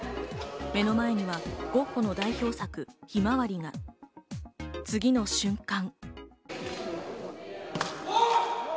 目の前にはゴッホの代表作『ひまわり』が次の瞬間。